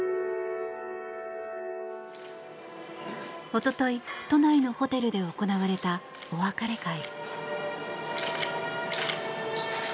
一昨日、都内のホテルで行われたお別れ会。